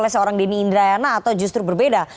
seorang dini indrayana atau justru berbeda